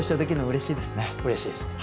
うれしいですね。